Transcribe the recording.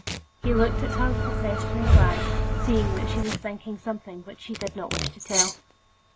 He looked at her with a questioning glance, seeing that she was thinking of something which she did not wish to tell.